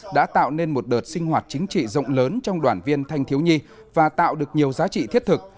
đã tạo nên một đợt sinh hoạt chính trị rộng lớn trong đoàn viên thanh thiếu nhi và tạo được nhiều giá trị thiết thực